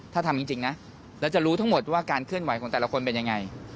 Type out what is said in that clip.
ถ้าทำจริงนะแล้วจะรู้ทั้งหมดว่าการเคลื่อนไหวของแต่ละคนเป็นยังไง